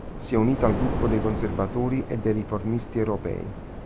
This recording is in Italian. Si è unito al gruppo dei conservatori e dei riformisti europei.